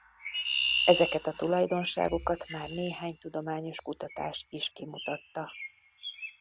Ezeket a tulajdonságokat már néhány tudományos kutatás is kimutatta.